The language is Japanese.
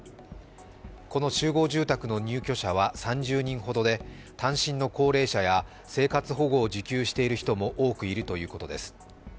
この集合住宅の入居者は３０人ほどで単身の高齢者や生活保護を受給している人も多くいるということです。